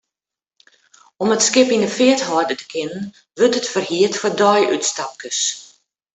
Om it skip yn 'e feart hâlde te kinnen, wurdt it ferhierd foar deiútstapkes.